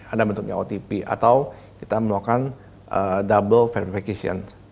ada bentuknya otp atau kita melakukan double verification